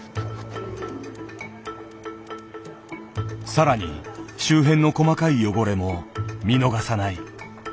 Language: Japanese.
更に周辺の細かい汚れも見逃さない。